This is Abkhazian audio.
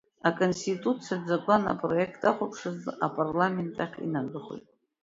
Аконституциатә закәан апроект ахәаԥшразы Апарламент ахь инагахоит.